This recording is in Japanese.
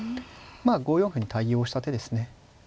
まあ５四歩に対応した手ですね。